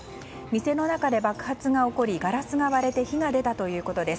店の中で爆発が起こりガラスが割れて火が出たということです。